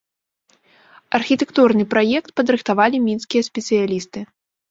Архітэктурны праект падрыхтавалі мінскія спецыялісты.